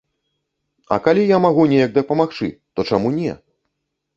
А калі я магу неяк дапамагчы, то чаму не?